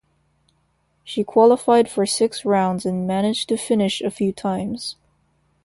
She qualified for six rounds and managed to finish a few times.